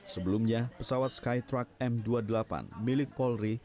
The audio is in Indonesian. sebelumnya pesawat skytruck m dua puluh delapan milik polri